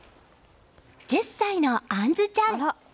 １０歳のあんずちゃん。